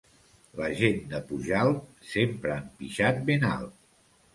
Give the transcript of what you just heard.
La gent de Pujalt sempre han pixat ben alt.